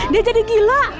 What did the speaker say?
dia jadi gila